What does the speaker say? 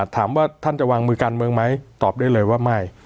ท่านจะวางมือการเมืองไหมตอบได้เลยว่าไม่